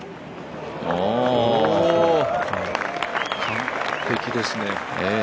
完璧ですね。